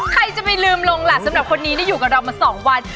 ใครจะไปลืมลงล่ะสำหรับคนนี้ที่อยู่กับเรามา๒วัน